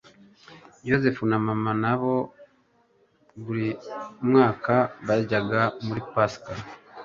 Yosefu na Mana na bo buri mwaka bajyaga muri Pasika;